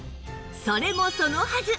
それもそのはず！